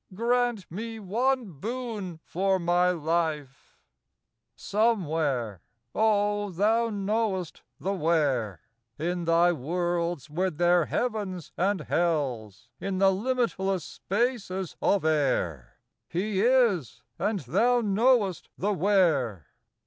grant me one boon for my life. 44 PARTED. 45 "Somewhere — oh, Thou knowest the where — In thy worlds with their heavens and hells, In the limitless spaces of air, He is, and Thou knowest the where